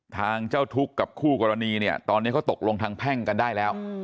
ทางเจ้าทุกข์กับคู่กรณีเนี่ยตอนนี้เขาตกลงทางแพ่งกันได้แล้ว